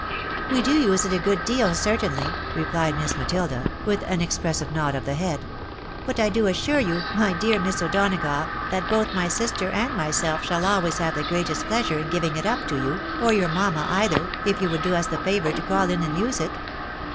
" We do use it a good deal, certainly," replied Miss Matilda, 136 THE WIDOW MARRIED. with an expressive nod of the head ;" but I do assure you, my dear Miss O'Donagough, that both my sister and myself shall always haye the very greatest pleasure in giving it up to you, or your mamma either, if she would do us the favour to call in and use it."